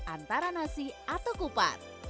antara nasi atau kupar